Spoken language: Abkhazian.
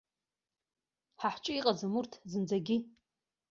Ҳа ҳҿы иҟаӡам урҭ зынӡагьы!